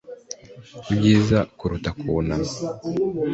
ibyiza kuruta kunama